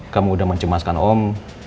kamu udah mencemaskan om